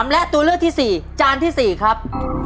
และตัวเลือกที่๔จานที่๔ครับ